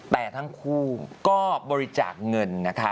แต่ทั้งคู่ก็บริจาคเงินนะคะ